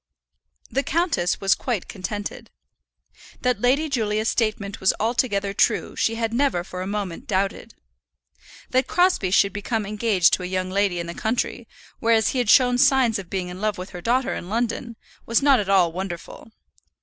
The countess was quite contented. That Lady Julia's statement was altogether true she had never for a moment doubted. That Crosbie should become engaged to a young lady in the country, whereas he had shown signs of being in love with her daughter in London, was not at all wonderful.